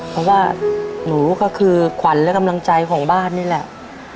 เพราะว่าหนูก็คือขวัญและกำลังใจของบ้านนี่แหละ